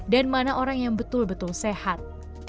dan mana orang yang betul betul sehat